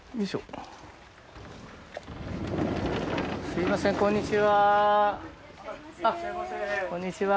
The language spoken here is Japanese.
すみません、こんにちは。